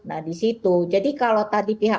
nah disitu jadi kalau tadi pihak